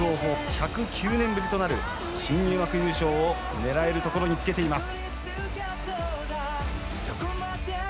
１０９年ぶりとなる新入幕優勝をねらえるところにつけています。